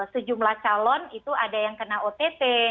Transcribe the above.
sejumlah calon itu ada yang kena ott